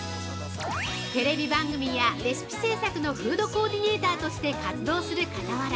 テレビ番組やレシピ制作のフードコーディネーターとして活動するかたわら